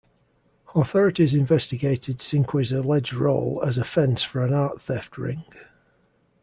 Authorities investigated Cinque's alleged role as a fence for an art theft ring.